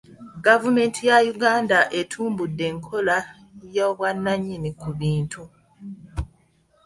Gavumenti ya Uganda etumbudde enkola y'obwannannyini ku bintu.